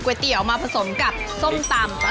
เตี๋ยวมาผสมกับส้มตำ